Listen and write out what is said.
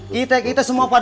kita kita semua pada